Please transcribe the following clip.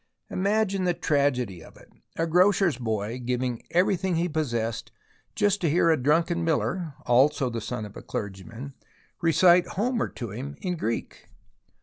Imagine the tragedy of it, a grocer's boy giving everything he possessed just to hear a drunken miller — the son of a clergyman — recite Homer to him in Greek.